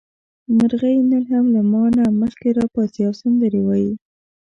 مرغۍ نن هم له ما نه مخکې راپاڅي او سندرې وايي.